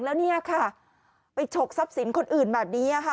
แล้วเนี่ยค่ะไปฉกทรัพย์สินคนอื่นแบบนี้ค่ะ